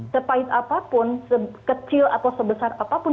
sepahit apapun kecil atau sebesar apapun